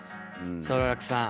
奏楽さん